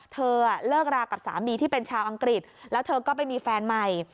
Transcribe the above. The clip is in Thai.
เธอเลิกรากับสามีที่เป็นชาวอังกฤษแล้วเธอก็ไปมีแฟนใหม่